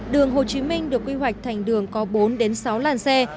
đường hồ chí minh được quy hoạch thành đường có bốn đến sáu làn xe